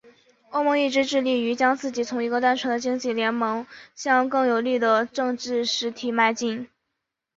欧盟一直致力于将自己从一个单纯的经济联盟向更强有力的政治实体迈进。